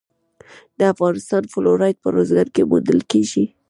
د افغانستان فلورایټ په ارزګان کې موندل کیږي.